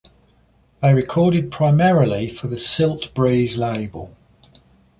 They recorded primarily for the Siltbreeze label.